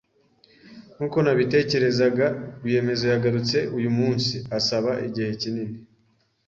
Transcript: Nkuko nabitekerezaga, rwiyemezamirimo yagarutse uyumunsi, asaba igihe kinini.